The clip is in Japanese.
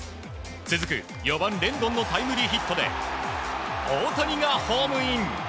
続く４番、レンドンのタイムリーヒットで大谷がホームイン。